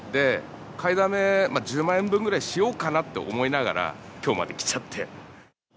買いだめ、１０万円分ぐらいしようかなって思いながら、きょうまで来ちゃって。